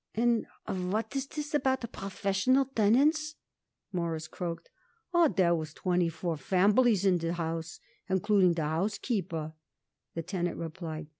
"And what is this about professional tenants?" Morris croaked. "Oh, dere was twenty four families in de house, includin' de housekeeper," the tenant replied.